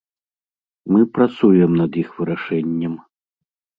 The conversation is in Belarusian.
Мы працуем над іх вырашэннем.